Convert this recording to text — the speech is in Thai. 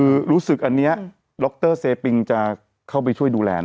ก็คือรู้สึกอันเนี้ยร็อคเตอร์เซปปิงจะเข้าไปช่วยดูแลน่ะ